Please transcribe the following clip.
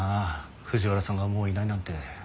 藤原さんがもういないなんて。